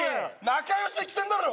仲よしで来てんだろ？